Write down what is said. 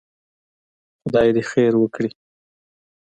خدای دې خير وکړي.